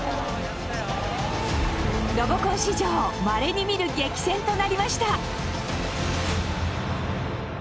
ロボコン史上まれに見る激戦となりました。